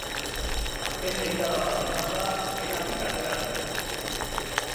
Azken begirada bat emanda, gelatik atera zen.